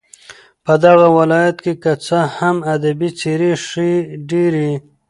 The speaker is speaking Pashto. په دغه ولايت كې كه څه هم ادبي څېرې ښې ډېرې